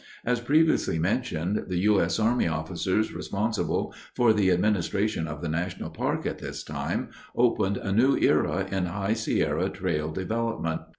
As previously mentioned, the U. S. Army officers responsible for the administration of the national park at this time opened a new era in High Sierra trail development.